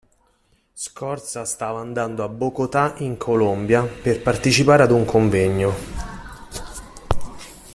Scorza stava andando a Bogotà in Colombia per partecipare a un convegno.